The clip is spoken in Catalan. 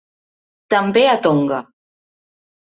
També a Tonga.